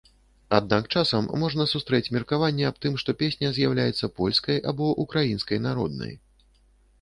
Аднак часам можна сустрэць меркаванне аб тым, што песня з'яўляецца польскай або ўкраінскай народнай.